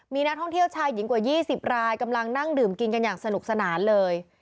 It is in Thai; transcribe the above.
มีนักท่องเที่ยวชายหญิงกว่า๒๐รายกำลังนั่งดื่มกินกันอย่างสนุกสนานเลย